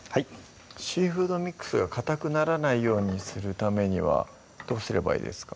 シーフードミックスがかたくならないようにするためにはどうすればいいですか？